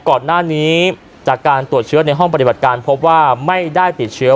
ก่อนหน้านี้จากการตรวจเชื้อในห้องปฏิบัติการพบว่าไม่ได้ติดเชื้อ